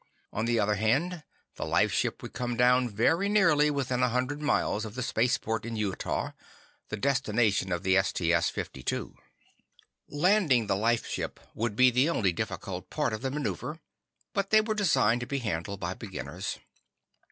On the other hand, the lifeship would come down very neatly within a few hundred miles of the spaceport in Utah, the destination of the STS 52. Landing the lifeship would be the only difficult part of the maneuver, but they were designed to be handled by beginners.